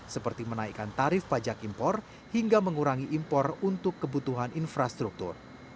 seperti menaikkan tarif pajak impor hingga mengurangi impor untuk kebutuhan infrastruktur